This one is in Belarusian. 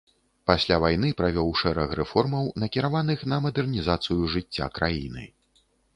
Пасля вайны правёў шэраг рэформаў, накіраваных на мадэрнізацыю жыцця краіны.